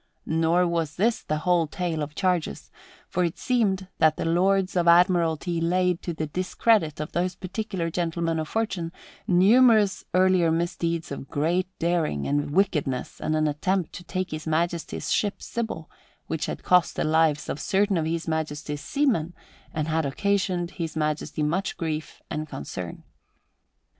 Nor was that the whole tale of charges, for it seemed that the Lords of Admiralty laid to the discredit of those particular gentlemen of fortune numerous earlier misdeeds of great daring and wickedness and an attempt to take His Majesty's ship Sybil, which had cost the lives of certain of His Majesty's seamen and had occasioned His Majesty much grief and concern.